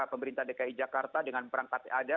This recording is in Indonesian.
pemerintah dki jakarta dengan perang tatiada